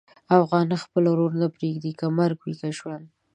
افغان خپل ورور نه پرېږدي، که مرګ وي که ژوند.